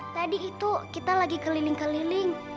tadi itu kita lagi keliling keliling